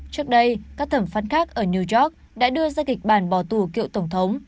trước đây các thẩm phán khác ở new york đã đưa ra kịch bản bỏ tù cựu tổng thống